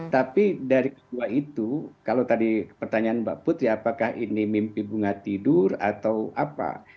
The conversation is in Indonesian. tapi dari kedua itu kalau tadi pertanyaan mbak putri apakah ini mimpi bunga tidur atau apa